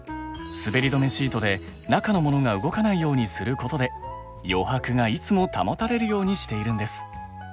滑り止めシートで中のモノが動かないようにすることで余白がいつも保たれるようにしているんです。